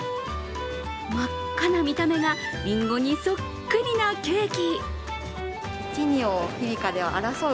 真っ赤な見た目がリンゴにそっくりなケーキ。